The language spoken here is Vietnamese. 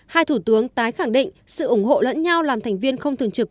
hai thủ tướng tái khẳng định sự ủng hộ lẫn nhau làm thành viên không thường trực